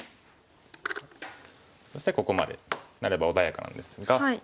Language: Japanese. そしてここまでなれば穏やかなんですが。